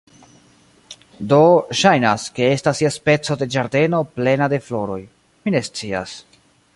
Do, ŝajnas, ke estas ia speco de ĝardeno plena de floroj... mi ne scias...